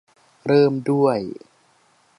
เริ่มด้วย